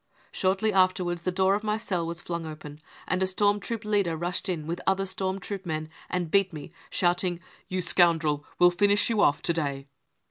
fie Shortly afterwards the door of my cell was flung open, and a storm troop leader rushed in with other storm troop men and beat me, shouting :£ You scoundrel, we'll finish you off to day